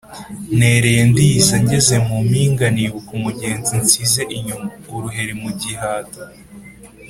Ntereye Ndiza ngeze mu mpinga nibuka umugenzi nsize inyuma-Uruheri mu gihata.